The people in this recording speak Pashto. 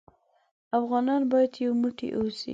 افغانان بايد يو موټى اوسې.